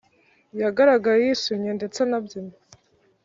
yagaragaye yishimye ndetse anabyina